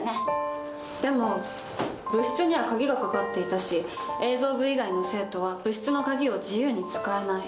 でも部室には鍵がかかっていたし映像部以外の生徒は部室の鍵を自由に使えない。